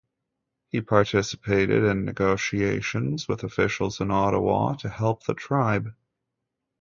He participated in negotiations with officials in Ottawa to help the tribe.